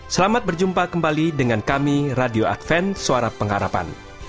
selamat berjumpa kembali dengan kami radio advent suara pengharapan